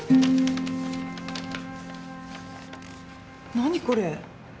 何これ？